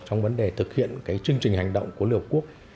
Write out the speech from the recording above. trong vấn đề thực hiện chương trình hành động của liên hợp quốc